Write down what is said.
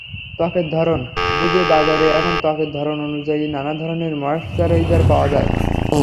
ত্বকের ধরন বুঝেবাজারে এখন ত্বকের ধরন অনুযায়ী নানা ধরনের ময়েশ্চারাইজার পাওয়া যায়।